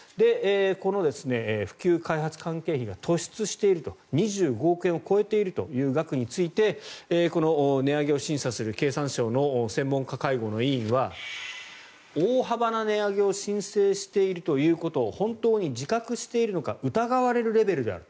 この普及開発関係費が突出していると２５億円を超えているという額についてこの値上げを審査する経産省の専門家会合の委員は大幅な値上げを申請しているということを本当に自覚しているのか疑われるレベルである。